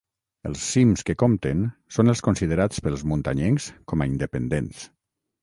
Els cims que compten són els considerats pels muntanyencs com a independents.